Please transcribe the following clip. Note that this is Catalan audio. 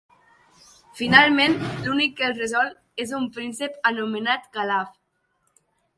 Finalment l'únic que els resol és un príncep anomenat Calaf.